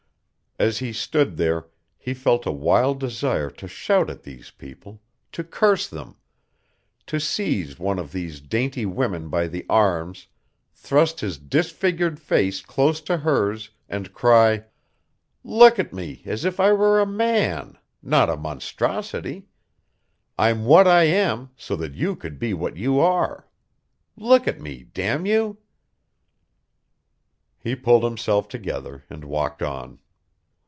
As he stood there, he felt a wild desire to shout at these people, to curse them, to seize one of these dainty women by the arms, thrust his disfigured face close to hers and cry: "Look at me as if I were a man, not a monstrosity. I'm what I am so that you could be what you are. Look at me, damn you!" He pulled himself together and walked on.